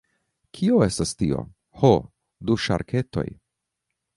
Kio estas tio? Ho, du ŝarketoj.